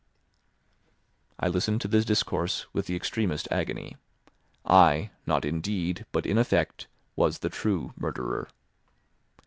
I listened to this discourse with the extremest agony. I, not in deed, but in effect, was the true murderer.